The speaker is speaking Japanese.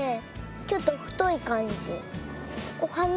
ちょっとふといかんじ。